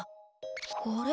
あれ？